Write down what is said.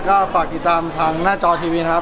ก็ฝากติดตามทางหน้าจอทีวี